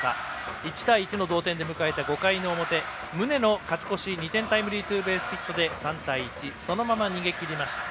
１対１の同点で迎えた５回の表宗の勝ち越し２点タイムリーツーベースヒット３対１、そのまま逃げきりました。